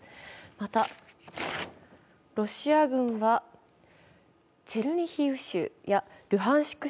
また、ロシア軍はチェルニヒウ州やルハンシク